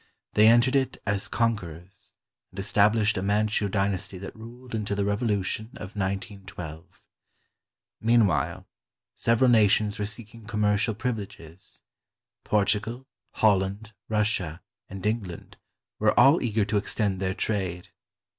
They entered it as con querors and established a Manchu dynasty that ruled until the revolution of 191 2. Meanwhile, several nations were seeking commercial priv ileges. Portugal, Holland, Russia, and England were all eager to extend their trade.